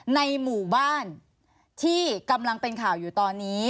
ในหมู่บ้านที่กำลังเป็นข่าวอยู่ตอนนี้